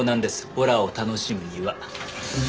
ホラーを楽しむには。